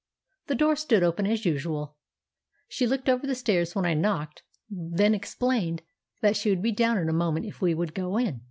The door stood open as usual. She looked over the stairs when I knocked, then explained that she would be down in a moment if we would go in.